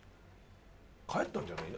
帰ったんじゃない？